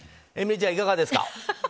えみりちゃん、いかがですか？